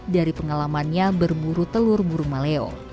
dari pengalamannya berburu telur burung maleo